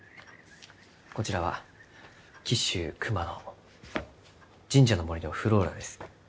こちらは紀州熊野神社の森のｆｌｏｒａです。